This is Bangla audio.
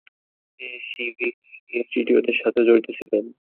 তিনি সিভিক্স ইনস্টিটিউটের সাথেও জড়িত ছিলেন।